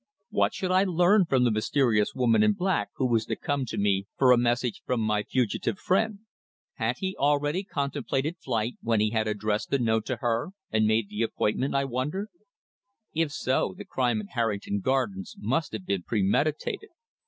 What should I learn from the mysterious woman in black who was to come to me for a message from my fugitive friend. Had he already contemplated flight when he had addressed the note to her and made the appointment, I wondered. If so, the crime at Harrington Gardens must have been premeditated.